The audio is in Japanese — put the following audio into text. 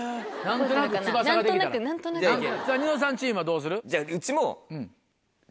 ニノさんチームはどうする？